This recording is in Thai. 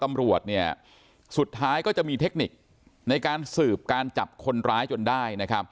ตำรวจสุดท้ายก็จะมีเทคนิคในการสืบการจับคนร้ายจนได้